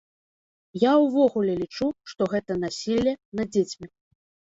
Я ўвогуле лічу, што гэта насілле над дзецьмі.